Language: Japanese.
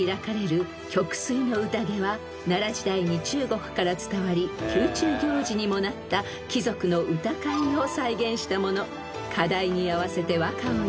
［奈良時代に中国から伝わり宮中行事にもなった貴族の歌会を再現したもの］